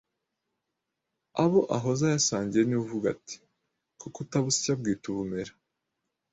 abo ahoze ayasangiye niwo avuga ati: “Koko utabusya abwita ubumera